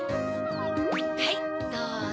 はいどうぞ。